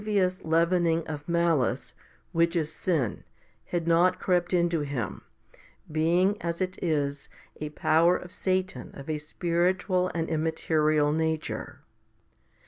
176 *FIFTY SPIRITUAL HOMILIES leavening of malice, which is sin, had not crept into him, being, as it is, a power of Satan of a spiritual and immaterial nature.